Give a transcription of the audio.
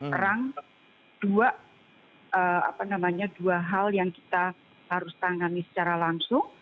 perang dua hal yang kita harus tangani secara langsung